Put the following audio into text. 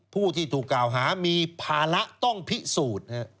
ผู้ที่ถูกกล่าวหามีภาระต้องพิสูจน์